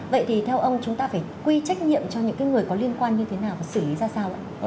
vậy thì theo ông chúng ta phải quy trách nhiệm cho những người có liên quan như thế nào và xử lý ra sao ạ